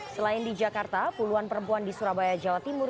selain di jakarta puluhan perempuan di surabaya jawa timur